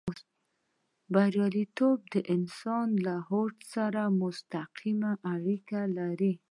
برياليتوب د انسان له هوډ سره مستقيمې اړيکې لري.